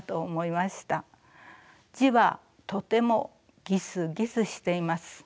字はとてもギスギスしています。